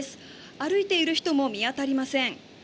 歩いている人も見当たりません。